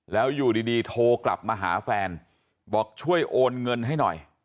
แล้วอยู่ดีโทรกลับมาหาแฟนบอกช่วยโอนเงินให้หน่อย